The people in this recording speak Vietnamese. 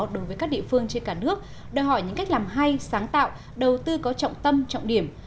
đối với các địa phương trên cả nước đòi hỏi những cách làm hay sáng tạo đầu tư có trọng tâm trọng điểm